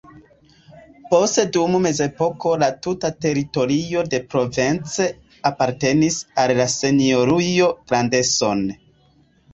Poste dum mezepoko la tuta teritorio de Provence apartenis al la Senjorujo Grandson.